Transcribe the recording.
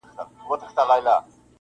o خو یو بل وصیت هم سپي دی راته کړی,